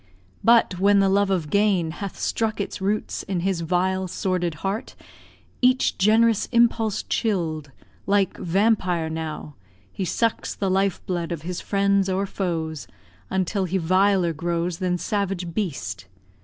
But when the love of gain Hath struck its roots in his vile, sordid heart, Each gen'rous impulse chill'd, like vampire, now, He sucks the life blood of his friends or foes Until he viler grows than savage beast.